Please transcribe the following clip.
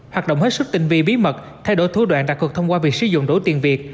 hoạt động hết sức tình vi bí mật thay đổi thủ đoạn đặc thực thông qua việc sử dụng đổ tiền việt